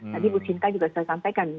jadi bu sinta juga sudah sampaikan